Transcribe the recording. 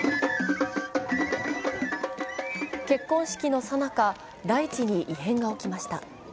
結婚式のさなか、大地に異変が起きました。